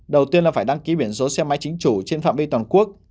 đầu tiên là phải đăng ký biển số xe máy chính chủ trên phạm vi toàn quốc